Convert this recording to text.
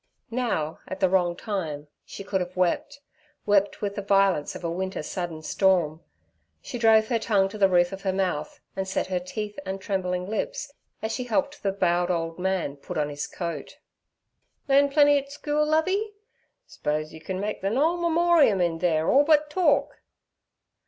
Now, at the wrong time, she could have wept—wept with the violence of a winter's sudden storm. She drove her tongue to the roof of her mouth, and set her teeth and trembling lips, as she helped the bowed old man put on his coat. 'Learn plenty et schule, Lovey? S'pose you can make the nole memorium in theer all but talk?'